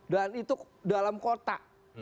dan itu dalam kota